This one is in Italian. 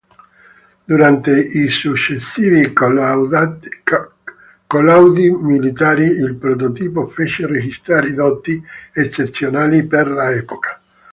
Durante i successivi collaudi militari il prototipo fece registrare doti eccezionali per l'epoca.